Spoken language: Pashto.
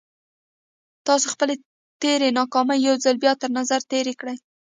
تاسې خپلې تېرې ناکامۍ يو ځل بيا تر نظر تېرې کړئ.